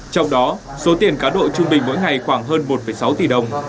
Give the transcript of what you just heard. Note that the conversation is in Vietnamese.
trong đó số tiền cá độ trung bình mỗi ngày khoảng hơn một sáu tỷ đồng